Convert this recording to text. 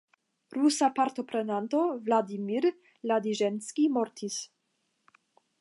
Rusa partoprenanto Vladimir Ladiĵenskij mortis.